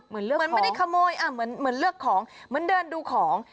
เหมือนไม่ได้ขโมยเหมือนเลือกของเหมือนเดินดูของ